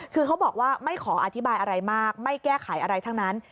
คือเขาบอกว่าไม่ขออธิบายอะไรมากไม่แก้ไขอะไรทั้งนั้น